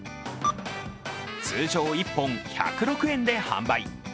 通常１本１０６円で販売。